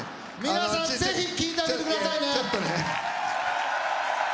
皆さんぜひ聴いてあげてくださいね。